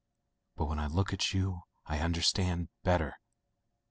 But when I look at you I understand better.